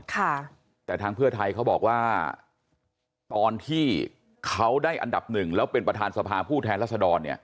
ค่ะแต่ทางเพื่อไทยเขาบอกว่าตอนที่เขาได้อันดับหนึ่งแล้วเป็นประธานสภาผู้แทนรัศดรเนี่ย